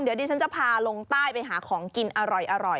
เดี๋ยวดิฉันจะพาลงใต้ไปหาของกินอร่อย